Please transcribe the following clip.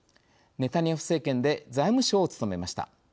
ネタニヤフ政権で財務相を務めました。